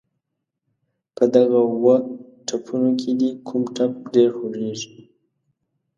په دغه اووه ټپونو کې دې کوم ټپ ډېر خوږېږي.